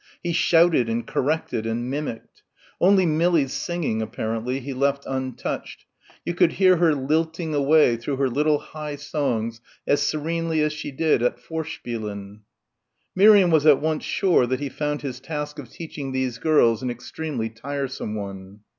He shouted and corrected and mimicked. Only Millie's singing, apparently, he left untouched. You could hear her lilting away through her little high songs as serenely as she did at Vorspielen. Miriam was at once sure that he found his task of teaching these girls an extremely tiresome one.